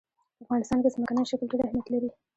په افغانستان کې ځمکنی شکل ډېر اهمیت لري.